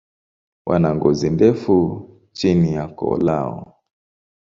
Wana ngozi ndefu chini ya koo lao.